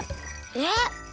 えっ！？